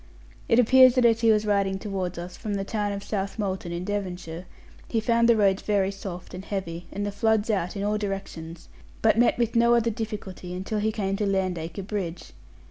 It appears that as he was riding towards us from the town of Southmolton in Devonshire, he found the roads very soft and heavy, and the floods out in all directions; but met with no other difficulty until he came to Landacre Bridge.